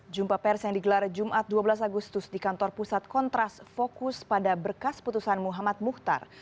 jumpa pers yang digelar jumat dua belas agustus di kantor pusat kontras fokus pada berkas putusan muhammad muhtar